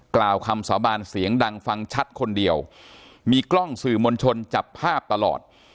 กล่าวคำสาบานเสียงดังฟังชัดคนเดียวมีกล้องสื่อมวลชนจับภาพตลอด